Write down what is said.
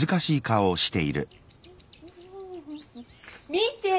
見て！